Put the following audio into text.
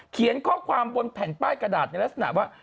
เขียนข้อความบนแผ่นป้ายกระดาษในลักษณะว่า